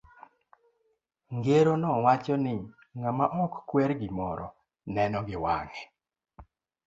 Ng'ero no wacho ni, ng'ama ok kwer gimoro, neno gi wange.